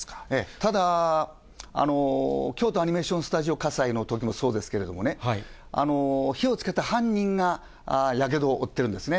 ただ、京都アニメーションスタジオ火災のときもそうですけれどもね、火をつけた犯人がやけどを負っているんですね。